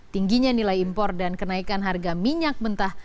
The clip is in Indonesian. tingginya nilai impor dan kenaikan harga minyak mentah